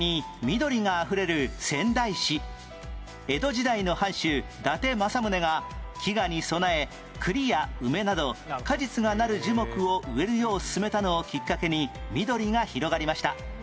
江戸時代の藩主伊達政宗が飢餓に備え栗や梅など果実がなる樹木を植えるよう勧めたのをきっかけに緑が広がりました